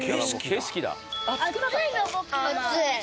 景色だ。